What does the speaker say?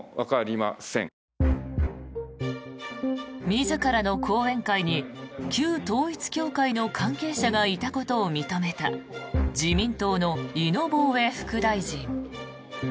自らの後援会に旧統一教会の関係者がいたことを認めた自民党の井野防衛副大臣。